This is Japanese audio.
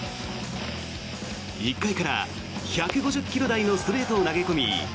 １回から１５０ｋｍ台のストレートを投げ込み